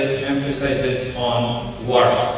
islam adalah agama perbankan syariah